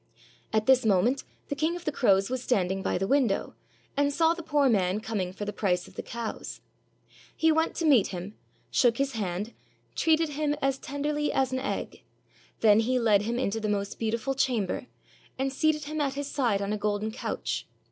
At this moment the King of the Crows was standing by the window, and saw the poor man coming for the price of the cows. He went to meet him, shook his hand, treated him as tenderly as an egg; then he led him into the most beautiful chamber, and seated him at his side on a golden couch.